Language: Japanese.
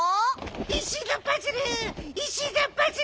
石のパズル！